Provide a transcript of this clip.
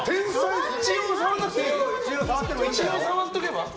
一応触っておけば？